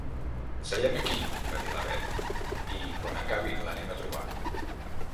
Seiem aquí —va dir la Bet—, i quan acabin l'anem a trobar.